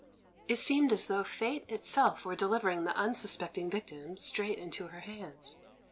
It seemed as though fate itself were delivering the unsuspecting victim straight into her hands.